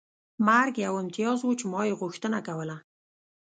مرګ یو امتیاز و چې ما یې غوښتنه کوله